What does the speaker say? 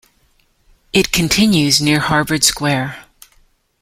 It continues near Harvard Square.